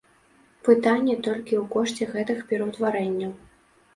Пытанне толькі ў кошце гэтых пераўтварэнняў.